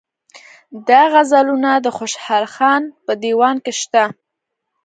دا غزلونه د خوشحال خان په دېوان کې شته.